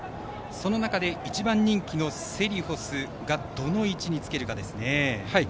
その中で１番人気のセリフォスがどの位置につけるかですね。